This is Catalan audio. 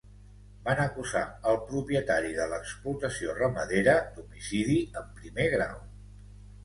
Van acusar el propietari de l'explotació ramadera d'homicidi en primer grau.